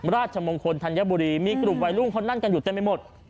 ราชมงคลธัญบุรีมีกลุ่มวัยรุ่นเขานั่งกันอยู่เต็มไปหมด